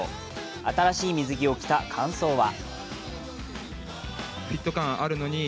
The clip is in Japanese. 新しい水着を着た感想は？